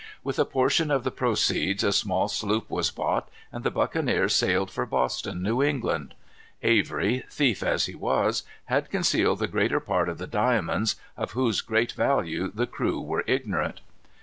With a portion of the proceeds a small sloop was bought, and the buccaneers sailed for Boston, New England. Avery, thief as he was, had concealed the greater part of the diamonds, of whose great value the crew were ignorant.